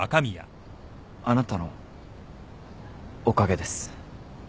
あなたのおかげです。